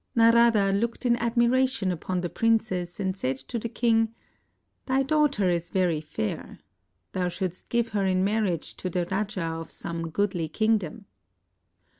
Narada looked in admiration upon the princess and said to the king, "Thy daughter is ver>' fair. Thou shouldst give her in marriage to the raja of some goodly kingdom."